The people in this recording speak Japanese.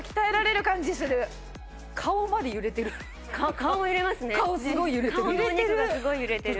顔のお肉がすごい揺れてる。